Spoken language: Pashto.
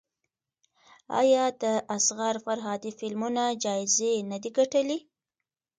آیا د اصغر فرهادي فلمونه جایزې نه دي ګټلي؟